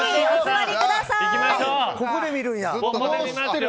ここで見るんや。